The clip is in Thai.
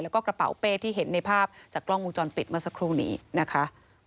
แล้วก็กระเป๋าเป้ที่เห็นในภาพจากกล้องวงจรปิดเมื่อสักครู่นี้นะคะ